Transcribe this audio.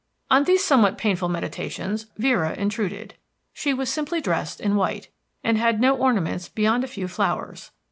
On these somewhat painful meditations Vera intruded. She was simply dressed in white, and had no ornaments beyond a few flowers.